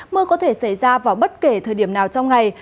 mưa có thể xảy ra vào bất kể thời điểm nào trong ngày